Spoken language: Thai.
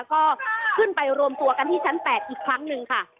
ก็ขึ้นไปรวมตัวกันที่ชั้น๘อีกครั้งหนึ่งค่ะ